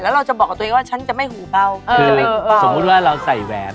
แล้วเราจะบอกกับตัวเองว่าฉันจะไม่หูเบาสมมุติว่าเราใส่แหวน